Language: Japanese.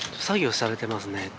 作業されてますね。